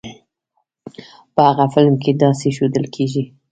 په هغه فلم کې داسې ښودل کېږی.